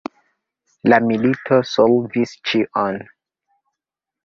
La milito solvis ĉion.